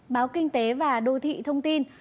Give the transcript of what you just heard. báo kinh tế và đô thị thông tin